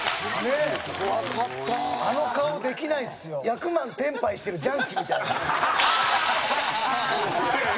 役満テンパイしてる雀鬼みたいな。